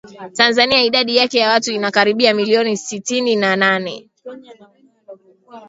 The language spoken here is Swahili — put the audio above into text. Tanzania idadi yake ya watu inakaribia milioni sitini na nane